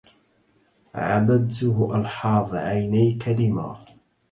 عبدته ألحاظ عينيك لما